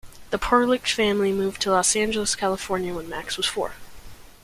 The Perlich family moved to Los Angeles, California when Max was four.